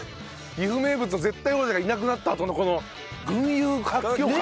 岐阜名物絶対王者がいなくなったあとのこの群雄割拠感。